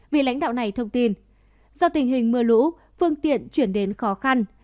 vì lãnh đạo này thông tin do tình hình mưa lũ phương tiện chuyển đến khó khăn